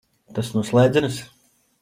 Tas no slēdzenes?